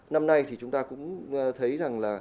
năm nay thì chúng ta cũng thấy rằng là